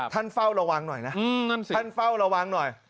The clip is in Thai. ท่านเฝ้าระวังหน่อยนะท่านเฝ้าระวังหน่อย